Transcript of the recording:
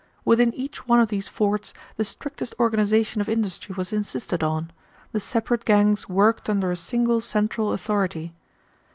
Within each one of these forts the strictest organization of industry was insisted on; the separate gangs worked under a single central authority.